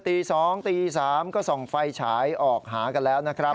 ตีน้ำ๒๓ก็๒ไฟฉายออกหากันแล้วนะครับ